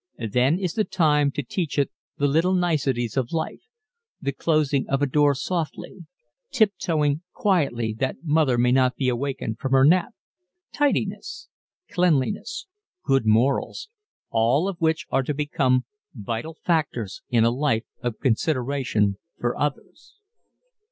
Then is the time to teach it the little niceties of life the closing of a door softly tip toeing quietly that mother may not be awakened from her nap tidiness cleanliness good morals all of which are to become vital factors in a life of consideration for others.